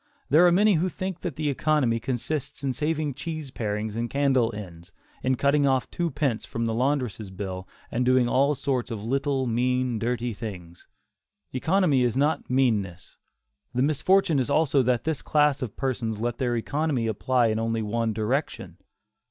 There are many who think that economy consists in saving cheese parings and candle ends, in cutting off two pence from the laundress' bill and doing all sorts of little, mean, dirty things. Economy is not meanness. The misfortune is also that this class of persons let their economy apply in only one direction.